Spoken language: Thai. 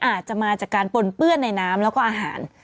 อาจจะมาจากการปนเปื้อนในน้ำแล้วก็อาหาร